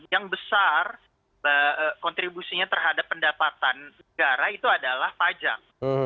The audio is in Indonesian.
yang besar kontribusinya terhadap pendapatan negara itu adalah pajak